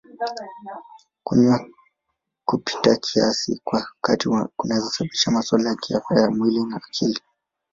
Kunywa kupita kiasi kwa wakati kunaweza kusababisha masuala ya kiafya ya mwili na akili.